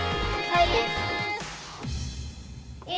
はい。